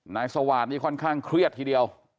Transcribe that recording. นายสวาสตร์นี่ค่อนข้างเครียดทีเดียว